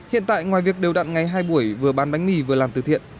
hiện tại ngoài việc đều đặn ngày hai buổi vừa bán bánh mì vừa làm từ thiện